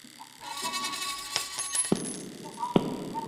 喜欢吞噬人类的美食界怪物。